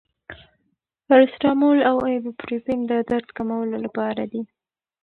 پاراسټامول او ایبوپروفین د درد کمولو لپاره دي.